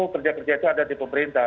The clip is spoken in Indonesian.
kerja kerja itu ada di pemerintah